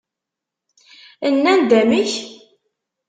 Nnan-d amek?